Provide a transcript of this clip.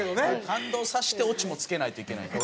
感動させてオチもつけないといけない。